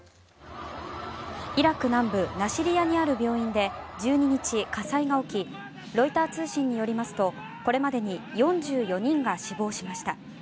イラク南部ナシリヤにある病院で１２日火災が起きロイター通信によりますとこれまでに４４人が死亡しました。